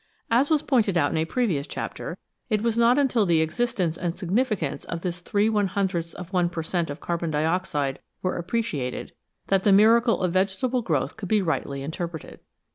As was pointed out in a previous chapter, it was not until the existence and significance of this Tinrths of 1 per cent, of carbon dioxide were appreciated, that the miracle of vegetable growth could be rightly interpreted.